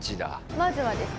まずはですね